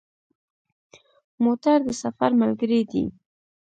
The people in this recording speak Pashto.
موټر د سفر ملګری دی.